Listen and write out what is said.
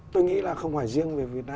tôi nghĩ là không phải riêng về vn